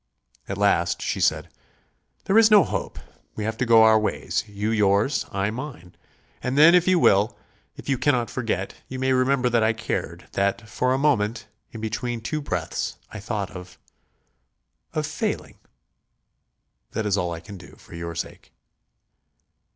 At last she said: "There is no hope. We have to go our ways; you yours, I mine. And then if you will if you cannot forget you may remember that I cared; that, for a moment, in between two breaths, I thought of ... of failing. That is all I can do ... for your sake."